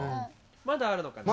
まだあるのかな。